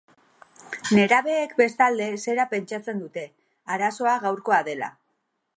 Nerabeek, bestalde, zera pentsatzen dute, arazoa gaurkoa dela.